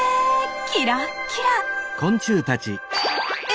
キラッキラ！え？